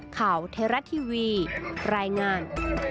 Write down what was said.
ข่าวเทราะทีวีรายงาน